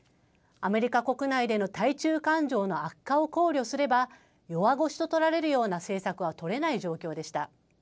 アメリカ国内での対中感情の悪化を考慮すれば、弱腰と取られるような政策は取れない状況でした。